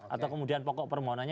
atau kemudian pokok permohonannya